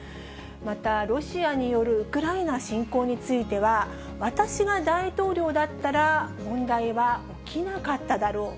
またロシアによるウクライナ侵攻については、私が大統領だったら、問題は起きなかっただろう。